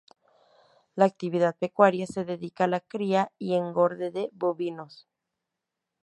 La actividad pecuaria se dedica a la cría y engorde de bovinos.